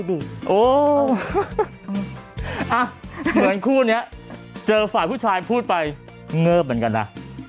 เหมือนคู่นี้เจอฝ่ายผู้ชายพูดไปเงิบเหมือนกันนะ